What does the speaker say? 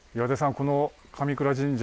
この神倉神社